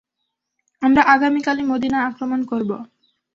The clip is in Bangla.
আমরা আগামী কালই মদীনা আক্রমণ করব।